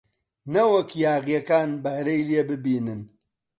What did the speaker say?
نەوەک یاغییەکان بەهرەی لێ ببینن!